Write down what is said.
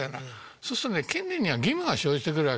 そうするとね権利には義務が生じてくるわけ。